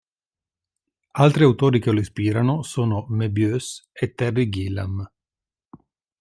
Altri autori che lo ispirano sono Moebius e Terry Gilliam.